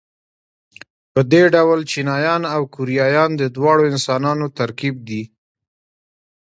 په دې ډول چینایان او کوریایان د دواړو انسانانو ترکیب دي.